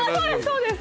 そうです